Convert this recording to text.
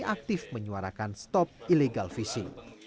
aktif menyuarakan stop ilegal visi